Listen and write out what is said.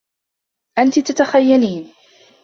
أنتِ تتخيّلين.